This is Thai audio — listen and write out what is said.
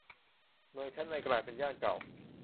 เมืองชั้นในกลายเป็นย่านเก่า